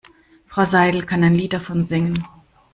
Frau Seidel kann ein Lied davon singen.